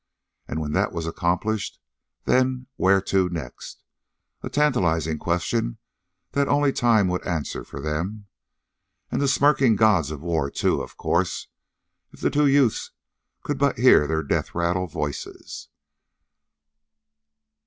And when that was accomplished, then where to next? A tantalizing question that only time would answer for them. And the smirking gods of war, too, of course, if the two youths could but hear their death rattle voices!